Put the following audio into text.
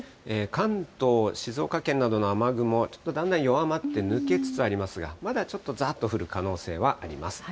関東、静岡県などの雨雲、ちょっとだんだん弱まって、抜けつつありますが、まだちょっとざっと降る可能性はあります。